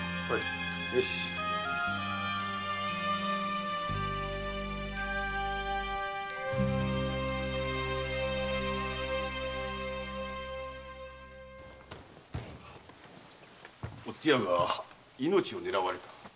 おつやが命を狙われた？